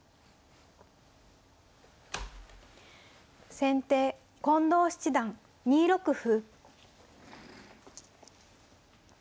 先手近藤七段２六歩。